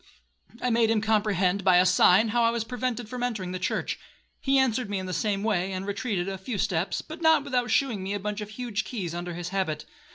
I made him comprehend, by a sign, how I was prevented from entering the church; he answered me in the same way, and retreated a few steps, but not without shewing me a bunch of huge keys under his habit.